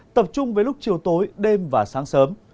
tập trung với lúc chiều tối đêm và sáng sớm